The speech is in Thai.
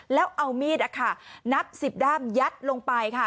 แล้วเอามีดนับ๑๐ด้ามยัดลงไปค่ะ